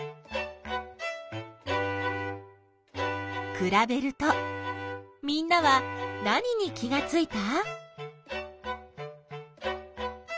くらべるとみんなは何に気がついた？